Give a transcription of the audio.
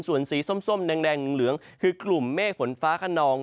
ส่วนสีส้มแดงเหลืองคือกลุ่มเมฆฝนฟ้าขนอง